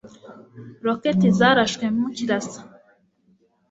Roketi zarashwe mu kirasa.